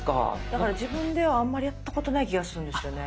だから自分ではあんまりやったことない気がするんですよね。